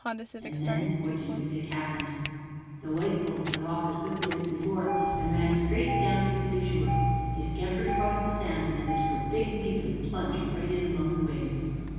And then, what do you think happened? The white bull set off as quickly as before, and ran straight down to the seashore. He scampered across the sand, then he took a big leap and plunged right in among the waves.